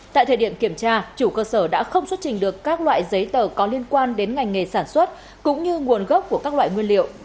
tại thời điểm kiểm tra chủ cơ sở đã không xuất trình được các loại giấy tờ có liên quan đến ngành nghề sản xuất cũng như nguồn gốc của các loại nguyên liệu